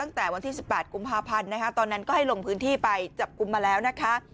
ตั้งแต่วันที่๑๘กุมภาพันธ์นะคะตอนนั้นก็ให้ลงพื้นที่ไปจับกลุ่มมาแล้วนะคะ